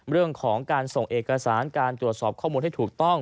เรื่องของการส่งเอกสารการตรวจสอบข้อมูลให้ถูกต้อง